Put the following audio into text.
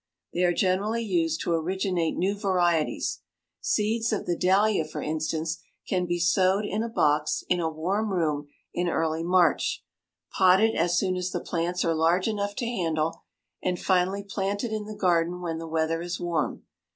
They are generally used to originate new varieties. Seeds of the dahlia, for instance, can be sowed in a box in a warm room in early March, potted as soon as the plants are large enough to handle, and finally planted in the garden when the weather is warm.